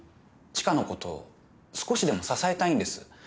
知花のこと少しでも支えたいんです。